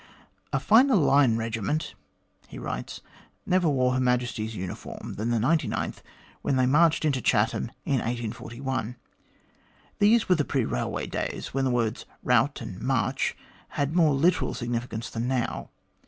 A finer Line Regiment," he writes, " never wore Her Majesty's uniform than the 99th when they marched into Chatham in 1841. These were the pre railway days, when the words * route ' and * march ' had more literal significance than now.